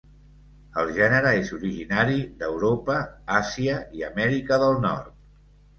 El gènere és originari d'Europa, Àsia i Amèrica del Nord.